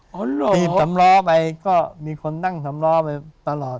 ตีบสำล้อไปก็มีคนนั่งสำล้อไปตลอด